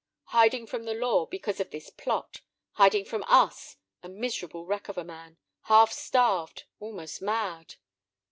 "Hiding from the law because of this Plot; hiding from us, a miserable wreck of a man, half starved, almost mad."